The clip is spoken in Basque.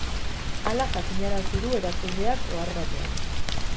Hala jakinarazi du erakundeak ohar batean.